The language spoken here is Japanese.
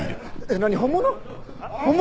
何本物？